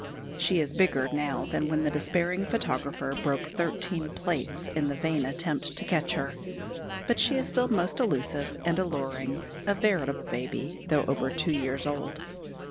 She is bigger now than when the despairing photographer broke thirteen plates in the vain attempt to catch her; but she is still most elusive and alluring, a veritable baby, though over two years old.